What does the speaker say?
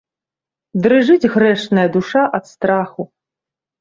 Дрыжыць грэшная душа ад страху.